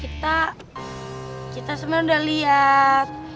kita kita sebenernya udah liat